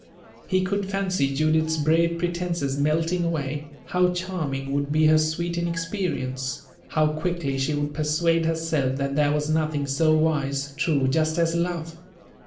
He could fancy Judith's brave pretenses melting away; how charming would be her sweet inexperience! How quickly she would persuade herself that there was nothing so wise, true, just as love!